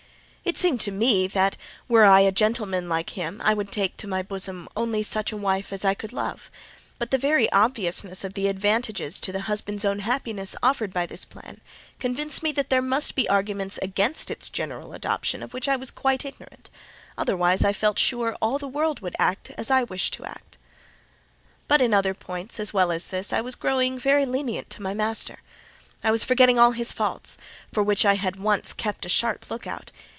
It seemed to me that, were I a gentleman like him, I would take to my bosom only such a wife as I could love; but the very obviousness of the advantages to the husband's own happiness offered by this plan convinced me that there must be arguments against its general adoption of which I was quite ignorant: otherwise I felt sure all the world would act as I wished to act. But in other points, as well as this, I was growing very lenient to my master: I was forgetting all his faults, for which I had once kept a sharp look out.